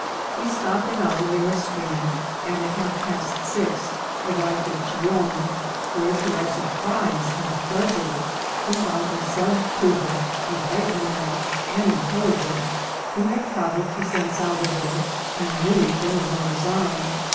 We stop ped an hour near a stream, and at half past six ar rived at Chillon, where, to our surprise and pleasure, we found a sub prefect, a white man, and intelligent, who had travelled to San Salvador, and knew General Mo razan.